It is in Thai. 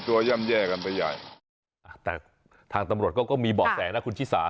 แต่ทางตำรวจก็มีบอกแสงเนี่ยครูชี้สา